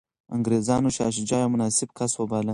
انګریزانو شاه شجاع یو مناسب کس وباله.